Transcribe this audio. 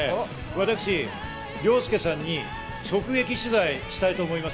私、凌介さんに直撃取材したいと思います。